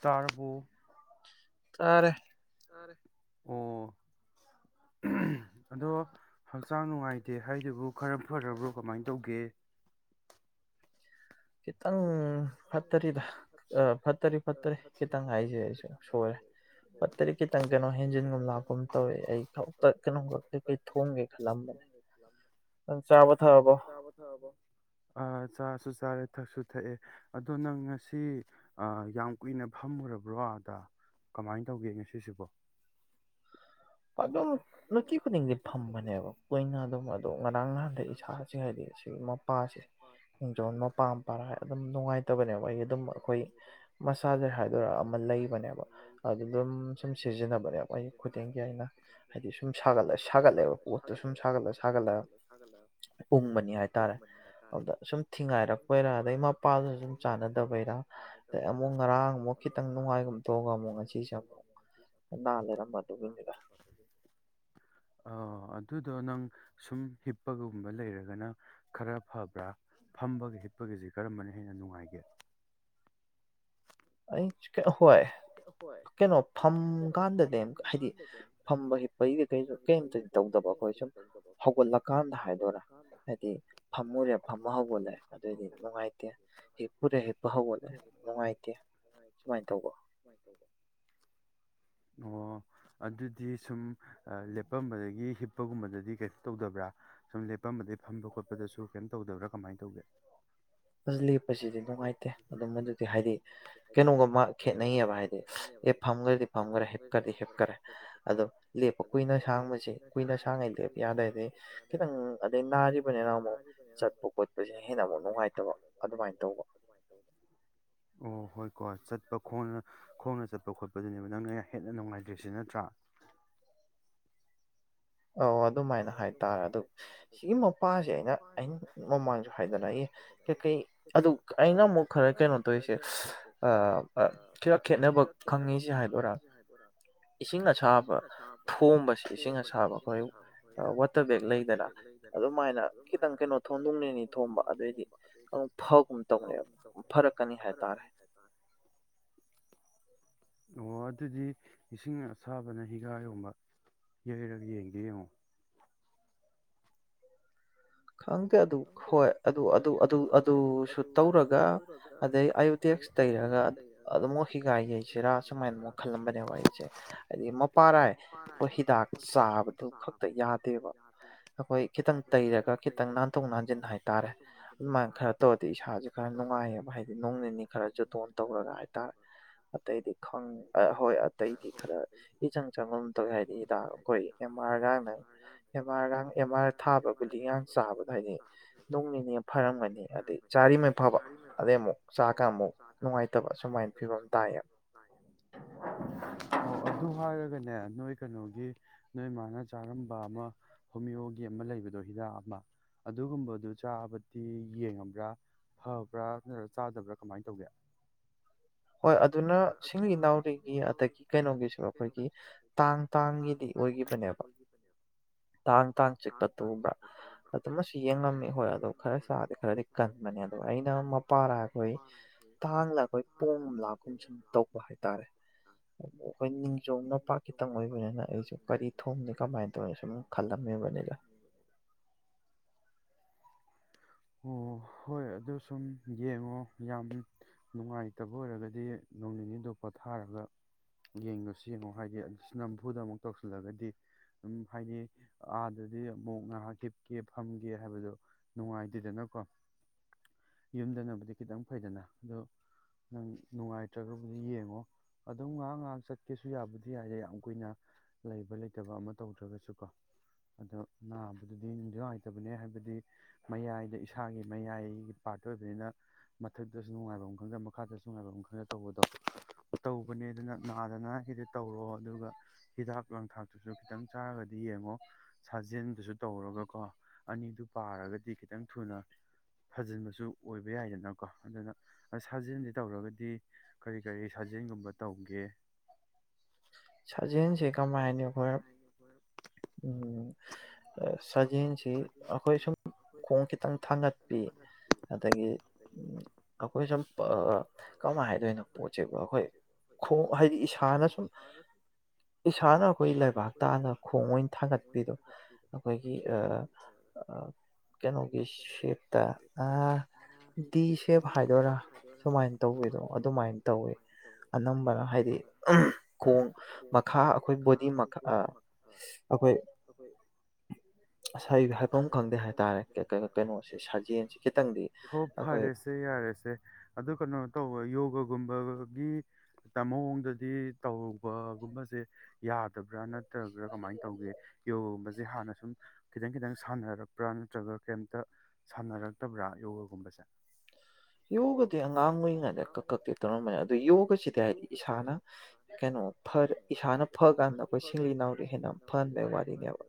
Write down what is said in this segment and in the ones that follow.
ꯇꯥꯔꯕꯨꯣ ꯇꯔꯦ ꯑꯣ ꯑꯗꯣ ꯍꯛꯆꯥꯡ ꯅꯨꯡꯉꯥꯏꯇꯦ ꯍꯥꯏꯗꯨꯕꯨ ꯈꯔ ꯐꯔꯕ꯭ꯔꯣ ꯀꯃꯥꯏꯅ ꯇꯧꯒꯦ ꯈꯤꯇꯪ ꯐꯠꯇꯔꯤꯗ ꯊ ꯆꯥꯁ ꯆꯔꯦ ꯊꯛꯁꯨ ꯊꯛꯑꯦ ꯑꯗꯨꯣꯅꯪ ꯉꯁꯤ ꯁꯤ ꯌꯥꯝ ꯀꯨꯏꯅ ꯐꯝꯃꯨꯔꯕ꯭ꯔꯣ ꯑꯗ ꯀꯃꯥꯏꯅ ꯇꯧꯒꯦ ꯉꯁꯤꯁꯤꯕꯣ ꯑꯗꯨꯝ ꯅꯨꯇ ꯈꯨꯗꯤꯡꯒꯤ ꯐꯝꯕꯅꯦꯕ ꯀꯨꯏꯅ ꯑꯗꯨꯝ ꯑꯗꯣ ꯉꯔꯥꯡ ꯅꯍꯥꯟꯗ ꯏꯁꯥꯁ ꯍꯥꯏꯗꯤ ꯁꯤ ꯃꯄꯥꯁꯤꯦ ꯃꯤꯤꯡꯖꯣ ꯃꯄꯥ ꯃꯄꯥꯔ ꯑꯗꯨꯝ ꯅꯨꯡꯉꯥꯏꯇꯕꯅꯦꯕ ꯑꯩ ꯑꯗꯨꯝ ꯑꯩꯈꯣꯏ ꯃꯁꯥꯖ ꯍꯥꯏꯗꯣꯏꯔꯥ ꯑꯃ ꯂꯩꯕꯅꯦꯕ ꯑꯗꯨ ꯑꯗꯨꯝ ꯁꯨꯝ ꯁꯤꯖꯤꯟꯅꯕꯅꯦꯕ ꯑꯩ ꯈꯨꯗꯤꯡ [unintelligible] ꯍꯥꯏꯗꯤ ꯁꯨꯝ ꯁꯥꯒꯠꯂ ꯁꯥꯒꯠꯂꯦꯕ ꯄꯣꯠꯇꯣ ꯁꯨꯝ ꯁꯥꯒꯠꯂ ꯁꯥꯒꯠꯂ ꯄꯨꯝꯕꯅꯤ ꯍꯥꯏꯇꯥꯔꯦ ꯑꯗꯨꯗ ꯁꯨꯝ ꯊꯤꯡꯉꯥꯏꯔꯛꯄꯩꯔꯥ ꯑꯗꯩ ꯃꯄꯥꯥꯟꯗꯨꯁꯨ ꯁꯨꯝ ꯆꯥꯟꯅꯗꯕꯩꯔꯥ ꯑꯗꯩ ꯑꯃꯨꯛ ꯉꯔꯥꯡ ꯑꯃꯨꯛ ꯈꯤꯇꯪ ꯅꯨꯡꯉꯥꯏꯒꯨꯝ ꯇꯧꯒ ꯑꯃꯨꯛ ꯉꯁꯤꯁꯦ ꯑꯃꯨꯛ ꯅꯥ ꯂꯩꯔꯝꯕ ꯑꯗꯨꯒꯤꯅꯤ ꯑꯣ ꯑꯗꯨꯗꯣ ꯅꯪ ꯁꯨꯝ ꯍꯤꯞꯄꯒꯒꯨꯝꯕ ꯂꯩꯔꯒꯅ ꯈꯔ ꯐꯕ꯭ꯔꯥ ꯐꯝꯕꯒꯤ ꯍꯤꯞꯄꯒꯤꯁꯤ ꯀꯔꯝꯕꯅ ꯍꯦꯟꯅ ꯅꯨꯡꯉꯥꯏꯒꯦ? ꯑꯩ ꯍꯣꯏ ꯀꯩꯅꯣ ꯐꯝ ꯀꯥꯟꯗꯗꯤ ꯍꯥꯏꯗꯤ ꯐꯝꯕ ꯍꯤꯞꯄꯒꯤ ꯀꯩꯩꯁꯨ ꯀꯔꯤꯝꯇꯗꯤ ꯇꯧꯗꯕ ꯑꯩꯈꯣꯏ ꯁꯨꯝ ꯍꯧꯒꯠꯂꯀꯥꯟꯗ ꯍꯥꯏꯗꯣꯏꯔꯥ ꯍꯥꯏꯗꯤ ꯐꯝꯃꯨꯔꯦ ꯐꯝꯝꯕ ꯍꯧꯒꯠꯂꯦ ꯑꯗꯨꯑꯣꯏꯗꯤ ꯅꯨꯡꯉꯥꯏꯇꯦ ꯍꯤꯞꯄꯨꯔꯦ ꯍꯤꯞꯄ ꯍꯧꯒꯠꯂꯦ ꯅꯨꯡꯉꯥꯏꯇꯦ ꯁꯨꯃꯥꯏ ꯇꯧ [unintelligible] ꯑꯣ ꯑꯗꯨꯗꯤ ꯁꯨꯝ ꯂꯦꯞꯄꯝꯕꯗꯒꯤ ꯍꯤꯞꯄꯒꯨꯝꯕꯗꯗꯤ ꯀꯩꯁꯨ ꯇꯧꯗꯕ꯭ꯔꯥ ꯁꯨꯝ ꯂꯦꯞꯄꯝꯕꯗꯒꯤ ꯐꯝꯕ ꯈꯣꯠꯄꯗꯁꯨ ꯀꯩꯝ ꯇꯧꯗꯕ꯭ꯔꯥ ꯀꯃꯥꯏꯅ ꯇꯧꯒꯦ? [unintelligible] ꯁꯤꯗꯤ ꯅꯨꯡꯉꯥꯏꯇꯦ ꯑꯗꯨꯣ ꯃꯗꯨꯗꯤ ꯍꯥꯏꯗꯤ ꯀꯩꯅꯣꯒ ꯃꯥ ꯈꯦꯅꯩꯌꯦꯕ ꯍꯥꯏꯗꯤ ꯑꯦ ꯐꯝꯈ꯭ꯔꯗꯤ ꯐꯝꯈꯔꯦ ꯍꯦꯞꯀ꯭ꯔꯗꯤ ꯍꯤꯞꯀꯔꯦ ꯑꯗꯣ ꯂꯦꯞꯄ ꯀꯨꯏꯅ ꯁꯥꯡꯕꯁꯤ ꯀꯨꯏꯅ ꯁꯥꯡꯉꯩ ꯂꯦꯞ ꯌꯥꯗ꯭ꯔꯗꯤ ꯈꯤꯇꯪ ꯑꯗꯩ ꯅꯥꯔꯤꯕꯅꯤꯅ ꯑꯃꯨꯛ ꯆꯠꯄ ꯈꯣꯠꯄꯁꯤꯅ ꯍꯦꯟꯅ ꯑꯃꯨꯛ ꯅꯨꯡꯉꯥꯏ ꯑꯗꯨ ꯅꯨꯉꯥꯏꯇꯕ ꯑꯗꯨꯃꯥꯏ ꯇꯧꯕ ꯍꯣꯏꯀꯣ ꯆꯠꯄ ꯈꯣꯡꯅ ꯈꯣꯡꯅ ꯆꯠꯄ ꯈꯣꯠꯄꯗꯨꯅꯦꯕ ꯅꯪꯅ ꯍꯦꯟꯅ ꯅꯨꯡꯉꯥꯏꯇ꯭ꯔꯤꯁꯤ ꯅꯠꯇ꯭ꯔꯥ ꯑꯧ ꯑꯗꯨꯃꯥꯏꯅ ꯍꯥꯏꯇꯥꯔꯦ ꯑꯗꯨ ꯁꯤꯒꯤ ꯃꯄꯥꯁꯦ ꯑꯩꯅ ꯑꯩꯅ ꯃꯃꯥꯡꯁꯨ ꯍꯥꯏꯗꯅ ꯑꯩ ꯀꯩ- ꯀꯩ ꯑꯗꯨ ꯑꯩꯅ ꯑꯃꯨꯛ ꯈꯔ ꯀꯩꯅꯣ ꯇꯧꯔꯤꯁꯦ ꯈꯤꯔ ꯈꯦꯠꯅꯕ ꯈꯪꯉꯤꯁꯤ ꯍꯥꯏꯗꯣꯏꯔꯥ ꯏꯁꯤꯡ ꯑꯁꯥꯕ ꯊꯣꯝꯕꯁꯦ ꯏꯁꯤꯡ ꯑꯁꯥꯕ ꯋꯥꯇꯔ ꯕꯦꯒ ꯂꯩꯗꯅ ꯑꯗꯨꯃꯥꯏꯅ ꯈꯤꯇꯪ ꯀꯩꯅꯣ ꯊꯣꯡꯗꯣꯡꯂꯤꯅꯤ ꯊꯣꯡꯕ ꯑꯗꯨꯑꯣꯏꯗꯤ ꯐꯒꯨꯝ ꯇꯧꯅꯦꯕ ꯐꯔꯛꯀꯅꯤ ꯍꯥꯏꯇꯥꯔꯦ꯫ ꯑꯣ ꯑꯗꯨꯗꯤ ꯏꯁꯤꯡ ꯑꯁꯥꯕꯅ ꯍꯤꯒꯥꯒꯣꯟꯕ ꯌꯩꯔꯒ ꯌꯦꯡꯒꯦ ꯌꯦꯡꯉꯣ꯫ ꯈꯪꯗꯦ ꯑꯗꯨ ꯍꯣꯏ ꯑꯗꯨ ꯑꯗꯨꯁꯨ ꯇꯧꯔꯒ ꯑꯗꯩ ꯑꯌꯨꯇꯦꯛꯁ ꯇꯩꯔꯒ ꯑꯗꯨꯝ ꯍꯤꯒꯥꯏ ꯌꯩꯁꯤꯔꯥ ꯁꯨꯃꯥꯏꯅ ꯑꯃꯨꯛ ꯈꯜꯂꯝꯕꯅꯦꯕ ꯑꯩꯁꯦ ꯍꯥꯏꯗꯤ ꯃꯄꯥꯔꯥꯏ ꯑꯩꯈꯣꯏ ꯍꯤꯗꯥꯛ ꯆꯥꯕꯗꯨ ꯈꯛꯇ ꯌꯥꯗꯦꯕ ꯑꯩꯈꯣꯏ ꯈꯤꯇꯪ ꯇꯩꯔꯒ ꯍꯖꯤꯟ ꯍꯥꯏꯇꯥꯔꯦ ꯑꯗꯨꯃꯥꯏꯅ ꯈꯔ ꯇꯧꯔꯗꯤ ꯏꯁꯥꯥꯁꯦ ꯈꯔ ꯅꯨꯡꯉꯥꯏꯌꯦꯕ ꯍꯥꯏꯗꯤ ꯅꯣꯡ ꯅꯤꯅꯤ ꯈꯔ ꯖꯨꯇꯣꯟ ꯇꯧꯔꯒ ꯍꯥꯏꯇꯥꯔꯦ ꯑꯇꯩꯗꯤ ꯍꯣꯏ ꯑꯇꯩꯗꯤ ꯈꯔ ꯏꯆꯪ ꯆꯪ ꯇꯧꯋꯦ ꯍꯥꯏꯗꯤ ꯍꯤꯗꯥꯛ ꯑꯩꯈꯣꯏ ꯑꯦꯝ ꯑꯥꯔꯒꯅ ꯑꯦꯝ ꯑꯥꯔꯒ ꯑꯦꯝ ꯑꯥꯔ ꯊꯥꯕ ꯒꯂꯤ [unintelligible] ꯍꯥꯏꯔꯒꯅꯦ ꯅꯣꯏ ꯀꯩꯅꯣꯒꯤ ꯅꯣꯏ ꯃꯥꯅ ꯆꯥꯔꯝꯕ ꯑꯃ ꯍꯣꯃꯤꯌꯣꯒꯤ ꯑꯃ ꯂꯩꯕꯗꯣ ꯍꯤꯗꯥꯛ ꯑꯃ ꯑꯗꯨꯒꯨꯝꯕꯗꯨ ꯆꯥꯕꯗꯤ ꯌꯦꯡꯉꯕ꯭ꯔꯥ ꯐꯕ꯭ꯔꯥ ꯅꯠꯇ꯭ꯔꯒ ꯆꯥꯗꯕ꯭ꯔꯥ ꯀꯃꯥꯏꯅ ꯇꯧꯒꯦ? ꯍꯣꯏ ꯑꯗꯨꯅ ꯁꯤꯡꯂꯤ ꯏ ꯅꯥꯎꯔꯤꯒꯤ ꯑꯗꯒꯤ ꯀꯩꯅꯣꯒꯤꯁꯨ ꯑꯩꯈꯣꯏꯒꯤ ꯇꯥꯡ ꯇꯥꯡꯒꯤꯗꯤ ꯑꯣꯏꯈꯤꯕꯅꯦꯕ ꯇꯥꯡ ꯇꯥꯡ ꯆꯤꯛꯄ ꯇꯨꯕ꯭ꯔꯥ ꯑꯗꯨꯃꯁꯨ ꯌꯦꯡꯉꯝꯃꯤ ꯍꯣꯏ ꯑꯗꯨꯗꯣ ꯈꯔ ꯆꯥꯗꯤ ꯈꯔꯗꯤ ꯀꯟꯕꯅꯦ ꯑꯗꯣ ꯑꯩꯅ ꯃꯄꯥꯔ ꯑꯩꯈꯣꯏ ꯇꯥꯡꯂ ꯑꯩꯈꯣꯏ ꯁꯨꯝ ꯇꯧꯕ ꯍꯥꯏꯇꯥꯔꯦ ꯑꯩꯈꯣꯏ ꯅꯤꯡꯖꯣꯝꯅꯄꯥꯛ ꯈꯤꯇꯪ ꯑꯣꯏꯕꯅꯤꯅ ꯑꯩꯁꯨ ꯀꯔꯤ ꯊꯣꯡꯅꯤ ꯀꯃꯥꯏꯅ ꯇꯧꯅꯤ ꯁꯨꯝ ꯈꯜꯂꯝꯃꯤꯕꯅꯤꯒ ꯑꯣ ꯍꯣꯏ ꯑꯗꯨ ꯁꯨꯝ ꯌꯦꯡꯉꯣ ꯌꯥꯝ ꯅꯨꯡꯉꯥꯏꯇꯕ ꯑꯣꯏꯔꯒꯗꯤ ꯍꯥꯏꯗꯤ ꯅꯣꯡ ꯅꯤꯅꯤꯗꯣ ꯄꯣꯊꯥꯔꯒ ꯌꯦꯡꯉꯣ ꯁꯤ ꯌꯦꯡꯉꯣ ꯍꯥꯏꯗꯤ ꯑꯗꯨ ꯅꯝꯐꯨꯗ ꯑꯃꯨꯛ ꯇꯧꯁꯤꯜꯂꯒꯗꯤ ꯑꯗꯨꯝ ꯍꯥꯏꯗꯤ ꯑꯥꯗꯗꯤ ꯑꯃꯨꯛ ꯉꯥꯏꯍꯥꯛ ꯍꯤꯞꯀꯦ ꯐꯝꯒꯦ ꯍꯥꯏꯕꯗꯣ ꯅꯨꯡꯉꯥꯏꯇꯦꯗꯅꯀꯣ ꯌꯨꯝꯗꯕꯨꯗꯤ ꯈꯤꯇꯪ ꯐꯩꯗꯅ ꯑꯗꯣ ꯅꯪ ꯅꯨꯡꯉꯥꯏꯇ꯭ꯔꯒꯕꯨꯗꯤ ꯌꯦꯡꯉꯣ ꯑꯗꯨꯝ ꯉꯥꯏꯍꯥꯛ- ꯉꯥꯏꯍꯥꯛ ꯆꯠꯀꯦꯁꯨ ꯌꯥꯕꯨꯗꯤ ꯌꯥꯏꯗꯦ ꯌꯥꯝ ꯀꯨꯏꯅ ꯂꯩꯕ ꯂꯩꯇꯕ ꯑꯃ ꯇꯧꯗ꯭ꯔꯒꯁꯨꯀꯣ ꯑꯗꯣ ꯅꯥꯕꯗꯨꯗꯤ ꯅꯨꯡꯗꯤ ꯅꯨꯉꯥꯏꯇꯕꯅꯦ ꯍꯥꯏꯕꯗꯤ ꯃꯌꯥꯏꯗ ꯏꯁꯥꯒꯤ ꯃꯌꯥꯏꯒꯤ ꯄꯥꯔꯠꯇ ꯑꯣꯏꯕꯅꯤꯅ ꯃꯊꯛꯇꯁꯨ ꯅꯨꯡꯉꯥꯏꯕ ꯑꯃ ꯈꯪꯗꯕ ꯃꯈꯥꯗꯁꯨ ꯈꯔ ꯇꯧꯕꯗꯣ ꯇꯧ ꯇꯄꯅꯦ ꯑꯗꯨꯅ ꯅꯥꯗꯅ ꯈꯤꯗꯤ ꯇꯧꯔꯣ ꯑꯗꯨꯒ ꯍꯤꯗꯥꯛ ꯂꯥꯡꯊꯥꯛꯇꯨꯁꯨ ꯈꯤꯇꯪ ꯆꯥꯔꯒꯗꯤ ꯌꯦꯡꯉꯣ ꯁꯥꯖꯦꯜꯗꯨꯁꯨ ꯇꯧꯔꯒꯀꯣ ꯑꯅꯤꯗꯨ ꯄꯥꯔꯒꯗꯤ ꯈꯤꯇꯪ ꯊꯨꯅ ꯐꯖꯤꯟꯕꯁꯨ ꯑꯣꯏꯕ ꯌꯥꯏꯗꯅꯀꯣ ꯑꯗꯨꯅ ꯁꯥꯖꯦꯜꯗꯤ ꯇꯧꯔꯒꯗꯤ ꯀꯔꯤ- ꯀꯔꯤ ꯁꯥꯔꯖꯦꯟꯒꯨꯝꯕ ꯇꯧ ꯁꯥꯖꯦꯟ ꯀꯃꯥꯏꯅ ꯑꯩꯈꯣꯏ ꯁꯖꯦꯜꯁꯤ ꯑꯩꯈꯣꯏ ꯁꯨꯝ ꯈꯣꯡ ꯈꯤꯇꯪ ꯊꯥꯡꯒꯠꯄꯤ ꯑꯗꯒꯤ ꯑꯩꯈꯣꯏ ꯁꯨꯝ ꯀꯃꯥꯏ ꯍꯥꯏꯗꯣꯏꯅꯣ ꯄꯣꯠ ꯆꯩꯕꯨ ꯑꯩꯈꯣꯏ ꯈꯣꯡ ꯍꯥꯏꯗꯤ ꯏꯁꯥꯅ ꯁꯨꯝ ꯏꯁꯥꯅ ꯑꯩꯈꯣꯏ ꯂꯩꯕꯥꯛ ꯇꯥꯒ ꯈꯣꯡ ꯑꯣꯏꯅ ꯊꯥꯡꯒꯠꯄꯤꯗꯣ ꯑꯩꯈꯣꯏꯒꯤ ꯀꯩꯅꯣꯒꯤ ꯁꯦꯞꯇ ꯗꯤ ꯁꯦꯞ ꯍꯥꯏꯗꯣꯏꯔꯥ ꯁꯨꯃꯥꯏꯅ ꯇꯧꯕꯤꯗꯣ ꯑꯗꯨꯃꯥꯏꯅ ꯇꯧꯋꯤ ꯑꯅꯝꯕꯅ ꯍꯥꯏꯗꯤ ꯈꯣꯡ ꯃꯈꯥ ꯍꯣ ꯐꯔꯦꯁꯦ ꯌꯥꯔꯦꯁꯦ ꯑꯗꯨ ꯀꯩꯅꯣ ꯇꯧꯕ ꯌꯣ ꯨꯝꯕꯒꯤ ꯃꯑꯣꯡꯗꯗꯤ ꯇꯧꯔꯧꯕꯒꯨꯝꯕꯁꯦ ꯌꯥꯗꯕ꯭ꯔꯥ ꯅꯠꯇ ꯭ꯔꯥ ꯀꯃꯥꯏꯅ ꯇꯧꯒꯦ ꯁꯤ ꯍꯥꯟꯅ ꯁꯨꯝ ꯈꯤꯇꯪ ꯈꯤꯇꯪ ꯁꯥꯟꯅꯔꯛꯄ꯭ꯔꯥ ꯅꯠꯇ꯭ꯔꯒ ꯀꯩꯝꯇ ꯁꯥꯟꯅꯔꯛꯇꯕ꯭ꯔꯥ ꯌꯣꯒꯒꯨꯝꯕꯁꯦ ꯌꯣꯒꯗꯤ ꯑꯉꯥꯡ ꯑꯣꯏꯔꯤꯉꯩꯗ ꯀꯛ ꯀꯛꯇꯦ ꯇꯧꯔꯝꯕꯅꯦ ꯑꯗꯨ ꯌꯣꯒꯁꯤꯗꯤ ꯍꯥꯏꯗꯤ ꯏꯁꯥꯅ ꯀꯩꯅꯣ ꯐꯔ ꯏꯁꯥꯅ ꯐꯀꯥꯟꯗ ꯑꯩꯈꯣꯏ ꯁꯤꯡꯂꯤ ꯏ ꯅꯥꯎꯗ ꯍꯦꯟꯅ ꯐꯍꯟꯕꯒꯤ ꯋꯥꯔꯤꯅꯦꯕ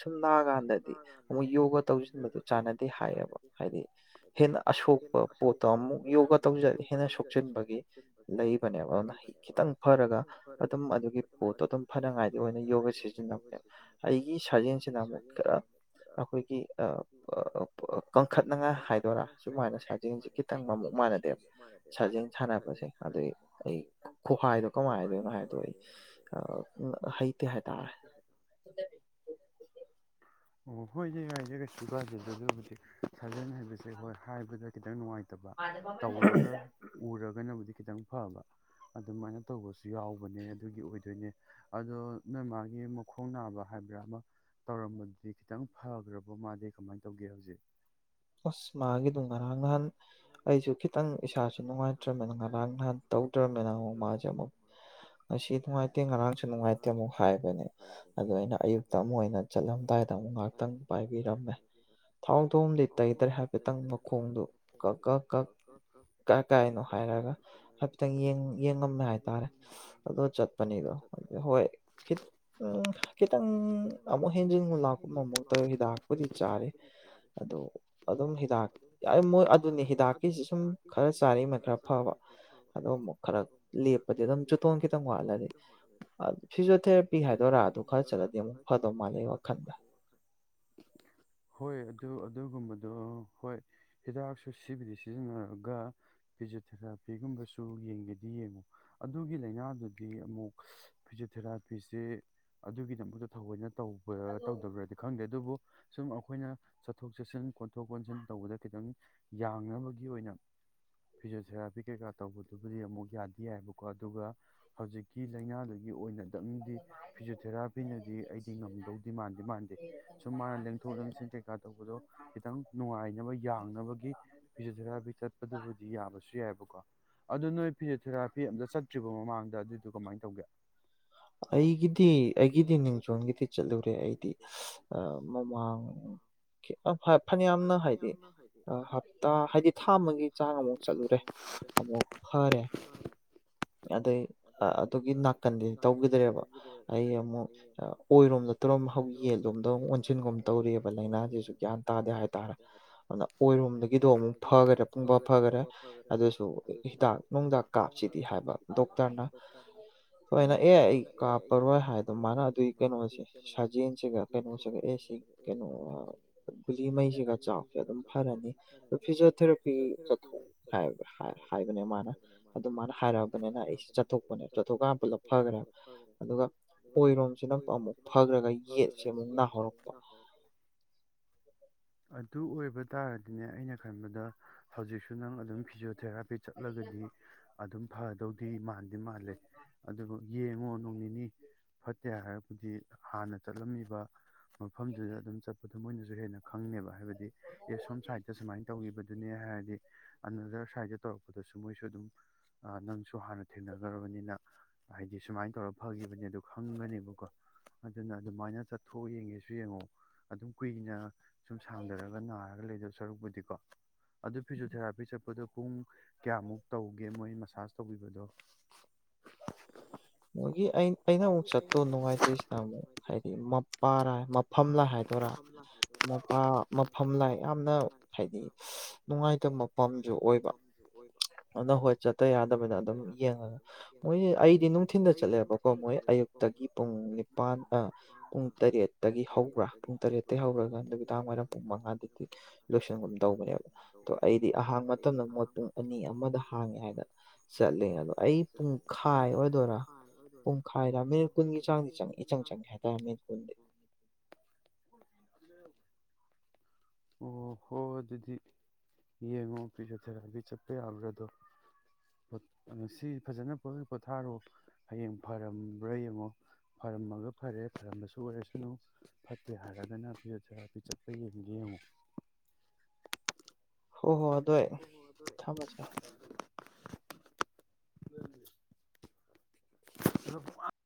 ꯁꯨꯝ ꯅꯥꯀꯥꯟꯗꯗꯤ ꯑꯃꯨꯛ ꯌꯣꯒ ꯇꯧꯁꯤꯟꯕꯗꯨ ꯆꯥꯟꯅꯗꯦ ꯍꯥꯏꯌꯦꯕ ꯍꯥꯏꯗꯤ ꯍꯦꯟꯅ ꯑꯁꯣꯛꯄ ꯄꯣꯠꯇꯣ ꯑꯃꯨꯛ ꯌꯣꯒꯥ ꯇꯧꯖ ꯍꯦꯟꯅ ꯁꯣꯛꯆꯤꯟꯕꯒꯤ ꯂꯩꯕꯅꯦꯕ ꯑꯗꯨꯅ ꯈꯤꯇꯪ ꯐꯔꯒ ꯑꯗꯨꯝ ꯑꯩꯣꯏꯒꯤ ꯄꯣꯠꯇꯣ ꯑꯗꯨꯝ ꯐꯅꯉꯥꯏꯗꯤ ꯑꯣꯏꯅ ꯌꯣꯒ ꯁꯤꯖꯤꯟꯅꯕꯅꯦꯕ ꯑꯩꯒꯤ ꯁꯥꯖꯦꯜꯁꯤꯅ ꯑꯃꯨꯛ ꯈꯔ ꯑꯩꯈꯣꯏꯒꯤ ꯀꯟꯈꯠꯅꯉꯥꯏ ꯍꯥꯏꯗꯣꯏꯔꯥ ꯁꯨꯃꯥꯏꯅ ꯁꯥꯖꯦꯟꯁꯦ ꯈꯤꯇꯪ ꯃꯃꯨꯛ ꯃꯥꯟꯅꯗꯦꯕ ꯁꯥꯖꯦꯜ ꯁꯥꯟꯅꯕꯁꯦ ꯑꯗꯨꯩ ꯑꯩ ꯈꯨꯍꯥꯏꯗꯣ ꯀꯃꯥꯏꯗꯣꯏꯅꯣ ꯍꯥꯏꯗꯣ ꯑꯩ [inaudible] ꯑꯣ ꯑꯩꯣꯏꯁꯦꯒꯖꯦꯒ ꯁꯨꯒꯔꯁ ꯑꯗꯨꯕꯨꯗꯤ ꯁꯥꯖꯅ ꯍꯥꯏꯁꯦ ꯍꯣꯏ ꯍꯥꯏꯕꯗ ꯈꯤꯇꯪ ꯅꯨꯡꯉꯥꯏꯇꯕ ꯇꯧꯔꯒ ꯎꯔꯒ ꯈꯤꯇꯪ ꯐꯕ ꯑꯗꯨꯃꯥꯏꯅ ꯇꯧꯕꯁꯨ ꯌꯥꯎꯕꯅꯦ ꯑꯗꯨꯒꯤ ꯑꯣꯏ ꯑꯗꯨꯅꯦ ꯑꯗꯣ ꯅꯣꯏ ꯃꯥꯒꯤ ꯃꯈꯣꯡ ꯅꯥꯕ ꯍꯥꯏꯕ꯭ꯔꯥ ꯑꯃ ꯇꯧꯔꯝꯕꯗꯨꯗꯤ ꯈꯤꯇꯪ ꯐꯈ꯭ꯔꯕ ꯃꯥꯗꯤꯦ ꯀꯃꯥꯏꯅ ꯇꯧꯒꯦ ꯍꯧꯖꯤꯛ ꯑꯁ ꯃꯥꯒꯤꯗꯨꯣ ꯉꯔꯥꯡ ꯅꯍꯥꯟ ꯑꯩꯁꯨ ꯈꯤꯇꯪ ꯏꯁꯥꯁꯤꯦ ꯅꯨꯡꯉꯥꯏꯇ꯭ꯔꯕꯅꯤꯅ ꯉꯔꯥꯡ ꯅꯍꯥꯟ ꯇꯧꯗ꯭ꯔꯕꯅꯤꯅ ꯑꯃꯨꯛ ꯃꯥꯁꯦ ꯑꯃꯨꯛ ꯉꯁꯤꯅꯨꯡꯉꯥꯏꯇ ꯠꯇꯦ ꯉꯔꯥꯡꯁꯨ ꯅꯨꯡꯉꯥꯏꯇꯦ ꯑꯃꯨꯛ ꯍꯥꯏꯕꯅꯦ ꯑꯗꯨꯗ ꯑꯩꯅ ꯑꯌꯨꯛꯇ ꯑꯃꯨꯛ ꯑꯣꯏꯅ ꯆꯠꯂꯝꯗꯥꯏꯗ ꯑꯃꯨꯛ ꯉꯥꯏꯍꯥꯛꯇꯪ ꯄꯥꯏꯕꯤꯔꯝꯃꯦ ꯊꯥꯎ ꯊꯣꯡꯝꯗꯤ ꯇꯇꯩ ꯇꯩ ꯍꯥꯏꯐꯦꯠꯇꯪ ꯃꯈꯣꯡꯗꯨ ꯀ ꯀ ꯀ ꯀ ꯀꯥꯏꯅꯣ ꯍꯥꯏꯔꯒ ꯍꯥꯏꯐꯦꯠꯇꯪ ꯌꯦꯡꯉꯝꯃꯦ ꯍꯥꯏꯇꯥꯔꯦ ꯑ ꯆꯠꯄꯅꯤꯗꯣ ꯑꯗꯨ ꯍꯣꯏꯈꯤ ꯈꯤꯇꯪ ꯑꯃꯨꯛ ꯍꯦꯟꯖꯤꯟꯒꯨ ꯂꯥꯛꯄꯨꯝ ꯑꯃꯨꯛ ꯇꯧꯋ ꯍꯤꯗꯥꯛꯄꯨꯗꯤ ꯆꯥꯔꯤ ꯑꯗꯨꯝ ꯍꯤꯗꯥꯛ ꯌꯥꯏ ꯃꯣꯏ ꯑꯗꯨꯅꯤ ꯍꯤꯗꯥꯛꯀꯤꯁꯤ ꯁꯨꯝ ꯈꯔ ꯆꯥꯔꯤꯉꯩ ꯈꯔ ꯐꯕ ꯑꯣ ꯑꯃꯨꯛ ꯈꯔ ꯂꯦꯞꯄꯗꯤ ꯑꯗꯨꯝ ꯆꯨꯇꯣꯟ ꯈꯤꯇꯪ ꯋꯥꯠ ꯍꯣꯏ ꯑꯗꯨ ꯑꯗꯨꯒꯨꯝꯕꯗꯣ ꯍꯣꯏ ꯍꯤꯗꯥꯛꯁꯨ ꯁꯤꯕꯨꯗꯤ ꯁꯤꯖꯤꯟꯅꯔꯒ ꯐꯤꯖꯣꯊꯦꯔꯥꯄꯤꯒꯨꯝꯕꯁꯨ ꯌꯦꯡꯒꯗꯤ ꯌꯦꯡꯉꯨ ꯑꯗꯨꯒꯤ ꯂꯥꯏꯅꯥꯗꯨꯗꯤ ꯍꯥꯏꯗꯤ ꯑꯃꯨꯛ ꯐꯤꯖꯤꯣꯊꯦꯔꯥꯄꯤꯁꯤꯦ ꯑꯗꯨꯒꯤꯗꯃꯛꯇ ꯊꯑꯣꯏꯅ ꯇ ꯇꯧꯗꯕ꯭ꯔꯗꯤ ꯈꯪꯗꯦ ꯑꯗꯨꯕꯨ ꯁꯨꯝ ꯑꯩꯈꯣꯏꯅ ꯆꯠꯊꯣꯛ ꯆꯠꯁꯤꯟ ꯀꯣꯟꯊꯣꯛ ꯀꯣꯟꯁꯤꯟ ꯇꯧꯕꯗ ꯈꯤꯇꯪ ꯌꯥꯡꯅꯕꯒꯤ ꯑꯣꯏꯅ ꯐꯤꯖꯤꯣꯊꯦꯔꯥꯄꯤ ꯀꯩꯀꯥ ꯇꯧꯕꯗꯨꯕꯨꯗꯤ ꯑꯃꯨꯛ ꯌꯥꯗꯗꯤ ꯌꯥꯏꯑꯕꯀꯣ ꯑꯗꯨꯒ ꯍꯧꯖꯤꯛ ꯀ ꯂꯥꯏꯅꯥꯗꯒꯤ ꯑꯣꯏꯅꯗꯪꯗꯤ ꯐꯤꯖꯣꯊꯦꯔꯥꯄꯤꯅꯗꯤ ꯑꯩꯗꯤ ꯉꯝꯗꯧꯗꯤ ꯃꯥꯟꯗꯦ ꯃꯥꯟꯗꯦ ꯁꯨꯝ ꯃꯥꯅ ꯂꯦꯡꯊꯣꯛ ꯂꯦꯡꯁꯤꯟ ꯀꯩꯀꯥ ꯇꯧꯕꯗꯣ ꯈꯤꯇꯪ ꯅꯨꯡꯉꯥꯏꯅꯕ ꯌꯥꯡꯅꯕꯒꯤ ꯐꯤꯖꯣꯊꯦꯔꯥꯄꯤ ꯆꯠꯄꯗꯨꯕꯨꯗꯤ ꯌꯥꯕꯁꯨ ꯌꯥꯏꯑꯕꯀꯣ ꯑꯗꯨ ꯅꯣꯏ ꯐꯤꯖꯣꯊꯦꯔꯥꯄꯤ ꯑꯝꯇ ꯆꯠꯇ꯭ꯔꯤꯕ ꯃꯃꯥꯡꯗ ꯑꯗꯨꯗꯨ ꯀꯃꯥꯏ ꯇꯧꯒꯦ ꯑꯩꯒꯤꯗꯤ ꯑꯩꯒꯤꯗꯤ ꯃꯤꯡꯖꯣꯟꯒꯤꯗꯤ ꯆꯠꯂꯨꯔꯦ ꯑꯩꯗꯤ ꯃꯃꯥꯡ ꯈꯤ ꯐꯅꯌꯥꯝꯅ ꯍꯥꯏꯗꯤ ꯍꯞꯇꯥ ꯍꯥꯏꯗꯤ ꯊꯥ ꯑꯃꯒꯤꯒꯤ ꯆꯥꯡ ꯑꯃꯨꯛ ꯆꯠꯂꯨꯔꯦ ꯑꯃꯨꯛ ꯐꯔꯦ ꯑꯗꯩ ꯑ ꯑꯗꯨꯒꯤ ꯅꯥꯥꯛꯀꯟꯗꯤ꯫ ꯇꯧꯈꯤꯗ꯭ꯔꯦꯕ ꯑꯩ ꯑꯃꯨꯛ ꯑꯣꯏꯔꯣꯝꯗ ꯇꯔꯣꯝ ꯍꯧ ꯌꯦꯟꯂꯣꯝꯗ ꯑꯃꯨꯛ ꯑꯣꯟꯁꯤꯟꯒꯨꯝ ꯇꯧꯔꯤꯑꯕ ꯂꯥꯏꯅꯥꯁꯤꯁꯨ ꯒ꯭ꯌꯥꯟ ꯇꯥꯗꯦ ꯍꯥꯏꯇꯥꯔꯦ ꯑꯗꯨꯅ ꯑꯣꯏꯔꯣꯝꯗꯒꯤꯗꯣ ꯑꯃꯨꯛ ꯐꯈꯔꯦ ꯄꯨꯡꯕꯥ ꯐꯈꯔꯦ ꯑꯗꯨꯁꯨ ꯍꯤꯗꯥꯛ ꯅꯨꯡꯗꯥꯛ ꯀꯥꯞꯁꯤꯗꯤ ꯍꯥꯏꯕ ꯈꯣꯏꯅ ꯑꯦ ꯑꯩ ꯀꯥꯞꯄꯔꯣꯏ ꯍꯥꯏꯗ ꯃꯥꯅ ꯑꯗꯨꯒꯤ ꯀꯩꯅꯣꯁꯦ ꯁꯥꯖꯦꯟꯁꯤꯒ ꯀꯩꯅꯣꯁꯤꯒ ꯑꯦ ꯁꯤ ꯀꯩꯅꯣ ꯒꯨꯂꯤꯉꯩꯁꯤꯒ ꯆꯥꯎꯁꯦ ꯑꯗꯨꯝ ꯐꯔꯅꯤ ꯑꯗꯨ ꯐꯤꯖꯤꯣꯊꯦꯔꯥꯄꯤ ꯆꯠꯊꯣꯛ ꯍꯥꯏꯕꯅꯦ ꯃꯥꯅ ꯑꯗꯨ ꯃꯥꯅ ꯍꯥꯏꯔꯛꯑꯕꯅꯤꯅ ꯑꯩꯁꯦ ꯆꯠꯊꯣꯛꯀ ꯄꯨꯂꯞ ꯀꯥꯟ ꯄꯨꯂ ꯐꯈ꯭ꯔꯦ ꯑꯗꯨꯒ ꯀꯣꯏꯕꯡꯃꯛꯇ ꯑꯃꯨꯛ ꯐꯈ꯭ꯔꯒ ꯌꯦꯠꯁꯅꯤꯍꯧꯔꯛꯄ꯫ ꯑꯗꯨ ꯑꯣꯏꯕ ꯇꯥꯔꯗꯤꯅꯦ ꯑꯩꯅ ꯈꯟꯕꯗ ꯍꯧꯖꯤꯛꯁꯨ ꯅꯪ ꯑꯗꯨꯝ ꯐꯤꯖꯤꯑꯣꯊꯦꯔꯥ ꯑꯣꯏ ꯆꯠꯂꯒꯗꯤ ꯑꯗꯨꯝ ꯐꯗꯧ ꯐ ꯃꯥ ꯃꯥꯟꯗꯤ ꯃꯥꯜꯂꯦ ꯑꯗꯨꯕꯨ ꯌꯦꯡꯉꯣ ꯅꯣꯡ ꯅꯤꯅꯤ ꯐꯠꯇꯦ ꯍꯥꯏꯔꯒ ꯍꯧꯖꯤꯗꯤ ꯍꯥꯟꯅ ꯆꯠꯂꯝꯃꯤꯕ ꯃꯐꯝꯗꯨꯗ ꯑꯗꯨꯝ ꯆꯠꯄꯗꯣ ꯃꯣꯏꯅꯁꯨ ꯍꯦꯟꯅ ꯈꯪꯉꯦꯕ ꯍꯥꯏꯕꯗꯤ ꯑꯦꯞꯁꯣꯝ ꯁꯥꯏꯠꯇ ꯁꯨꯃꯥꯏꯅ ꯇꯧꯈꯤꯕꯗꯨꯅꯦ ꯍꯥꯏꯔꯗꯤ ꯑꯅꯗꯔ ꯁꯥꯏꯠꯇ ꯇꯧꯔꯛꯄ ꯑꯗꯨꯗꯁꯨ ꯃꯣꯏꯁꯨ ꯑꯗꯨꯝ ꯅꯪꯁꯨ ꯍꯥꯟꯅ ꯊꯦꯡꯅꯈ꯭ꯔꯕꯅꯤꯅ ꯍꯥꯏꯗꯤ ꯁꯨꯃꯥꯏꯅ ꯇꯧꯔ ꯐꯈꯤꯕꯅꯦ ꯑꯗꯨ ꯈꯪꯒꯅꯦꯕꯀꯣ ꯑꯗꯨꯅ ꯑꯗꯨꯃꯥꯏꯅ ꯆꯠꯊꯣꯛ ꯌꯦꯡꯒꯦꯁꯨ ꯁꯨ ꯌꯦꯡꯉꯣ ꯑꯗꯨꯝ ꯀꯨꯏꯅꯥ ꯁꯨꯝ ꯁꯥꯡꯊꯔꯒ ꯅꯥꯔꯒ ꯂꯩꯗꯣ ꯁꯔꯨꯛꯄꯨꯗꯤꯀꯣ ꯑꯗꯨ ꯐꯤꯖꯣꯊꯦꯔꯥꯄꯤ ꯆꯠꯄꯗꯣ ꯄꯨꯡ ꯀꯌꯥꯃꯨꯛ ꯇꯧꯒꯦ ꯃꯣꯏ ꯃꯁꯥꯥꯁ ꯇꯧꯕꯤꯕꯗꯣ꯫ ꯃꯣꯏꯒꯤ ꯑꯩꯅ ꯑꯃꯨꯛ ꯆꯠꯇꯣ ꯅꯨꯡꯉꯥꯏꯇꯣꯏꯁꯤꯅ ꯑꯃꯨꯛ ꯍꯥꯏꯗꯤ ꯃꯄꯥꯔꯥꯏ ꯃꯐꯝ ꯂꯥꯏ ꯍꯥꯏꯗꯣꯏꯔꯥ ꯃꯄꯥ ꯃꯐꯝ ꯂꯥꯏ ꯌꯥꯝꯅ ꯍꯥꯏꯗꯤ ꯅꯨꯡꯉꯥꯏꯇꯕ ꯃꯐꯝꯁꯨ ꯑꯣꯏꯕ꯫ ꯑꯗꯨꯅ ꯍꯣꯏ ꯆꯠꯇ ꯌꯥꯗꯕꯅꯤꯅ ꯑꯗꯨꯝ ꯌꯦꯡꯉꯒ ꯃꯣꯏ ꯑꯩꯗꯤ ꯅꯨꯡꯊꯤꯟꯜꯗ ꯆꯠꯂꯦꯕꯀꯣ ꯃꯣꯏ ꯑꯌꯨꯛꯇꯒꯤ ꯄꯨꯡ ꯅꯤꯄꯥꯟ ꯄꯨꯡ ꯇꯔꯦꯠꯇꯒꯤ ꯍꯧꯕ꯭ꯔꯥ ꯄꯨꯡ ꯇꯔꯦꯇꯩꯒꯤ ꯍꯧꯔꯒ ꯅꯨꯃꯤꯗꯥꯡꯋꯥꯏꯔꯝ ꯄꯨꯡ ꯃꯉꯥꯗꯗꯤ ꯂꯣꯏꯁꯟꯒꯨꯝ ꯇꯧꯕꯅꯦꯕ ꯑꯣ ꯑꯩꯗꯤ ꯑꯍꯥꯡꯕ ꯃꯇꯝꯗ ꯑꯅꯤ ꯑꯃꯗ ꯍꯥꯡꯉꯦ ꯍꯥꯏꯅ ꯆꯠꯂ ꯆꯠꯂꯦ ꯑꯩ ꯄꯨꯡꯈꯥꯏ ꯑꯣꯏꯗꯣꯏꯔꯥ ꯄꯈꯥꯏ ꯑꯣ ꯍꯣꯏ ꯑꯗꯨꯗꯤ ꯌꯦꯡꯉꯣ ꯄꯤꯖꯣꯊꯦꯔꯥꯄꯤ ꯆꯠꯄ ꯌꯥꯕꯔꯥ ꯑꯗꯣ ꯁꯤ ꯐꯖꯅ ꯄꯣꯊꯥꯔꯣ ꯍꯌꯦꯡ ꯐꯔꯝꯕ꯭ꯔꯥ ꯌꯦꯡꯉꯣ ꯐꯔꯝꯃꯒ ꯐꯔꯦ ꯐꯔꯝꯕꯁꯨ ꯑꯣꯏꯔꯁꯅꯨ ꯐꯠꯇꯦ ꯍꯥꯏꯔꯒꯅ ꯐꯤꯖꯣꯊꯦꯔꯄꯤ ꯆꯠꯄ ꯌꯦꯡꯒꯦ ꯌꯦꯡꯉꯣ꯫ ꯍꯣ ꯍꯣꯏ꯫ ꯇꯣꯏ ꯊꯝꯃꯁꯦ꯫ [unintelligible]